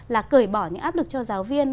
là cởi bỏ những áp lực cho giáo viên